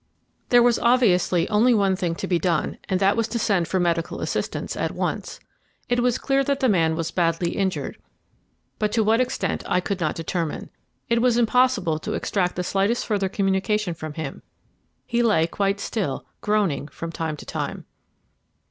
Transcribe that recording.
There was obviously only one thing to be done, and that was to send for medical assistance at once. It was clear that the man was badly injured, but to what extent I could not determine. It was impossible to extract the slightest further communication from him he lay quite still, groaning from time to time.